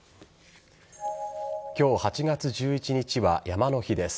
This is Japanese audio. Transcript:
今日８月１１日は山の日です。